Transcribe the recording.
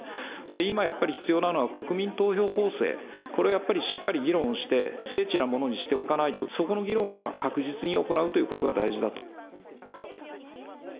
今やっぱり必要なのは、国民投票法性、これやっぱり、しっかり議論をして、精緻なものにしておかないと、そこの議論は確実に行うということが大事だと。